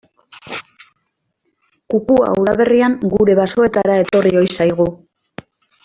Kukua udaberrian gure basoetara etorri ohi zaigu.